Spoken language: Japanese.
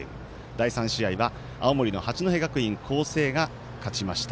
第３試合は青森の八戸学院光星が勝ちました。